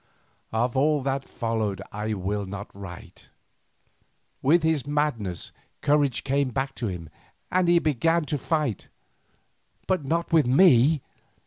Of all that followed I will not write. With his madness courage came back to him, and he began to fight, but not with me.